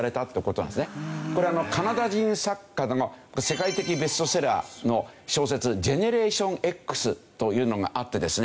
これカナダ人作家の世界的ベストセラーの小説『ジェネレーションＸ』というのがあってですね。